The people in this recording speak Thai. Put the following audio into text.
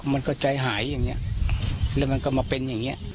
มันก็ใจหายอย่างนี้แล้วมันก็มาเป็นอย่างนี้